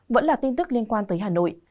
vẫn là tin tức liên quan tới hà nội